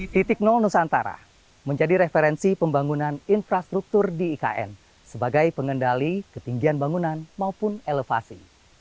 titik nol nusantara menjadi referensi pembangunan infrastruktur di ikn sebagai pengendali ketinggian bangunan maupun elevasi